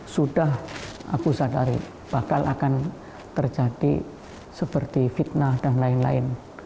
sudah aku sadari bakal akan terjadi seperti fitnah dan lain lain